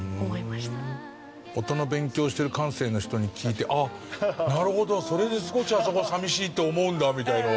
音の勉強してる感性の人に聞いてなるほどそれで少しあそこは寂しいと思うんだみたいのを。